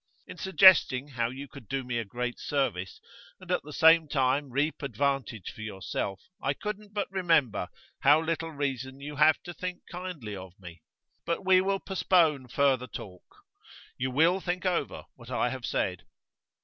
In suggesting how you could do me a great service, and at the same time reap advantage for yourself I couldn't but remember how little reason you have to think kindly of me. But we will postpone further talk. You will think over what I have said?